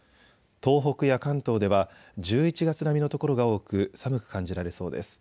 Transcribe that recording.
東北や関東では１１月並みの所が多く、寒く感じられそうです。